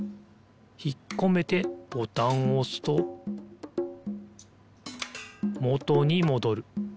ひっこめてボタンをおすともとにもどる。